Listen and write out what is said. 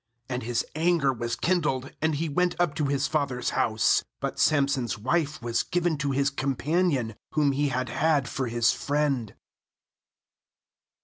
And his anger was kindled, and he went up to his father's house. 20But Samson's wife was given to his companion, whom he lad had for his friend.